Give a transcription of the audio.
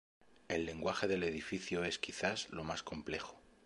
El lenguaje del edificio es quizás lo más complejo.